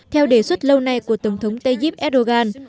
theo đề xuất lâu nay của tổng thống tayyip erdogan